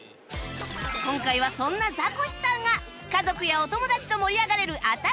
今回はそんなザコシさんが家族やお友達と盛り上がれる新しいゲーム作り